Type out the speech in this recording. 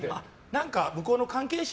何か向こうの関係者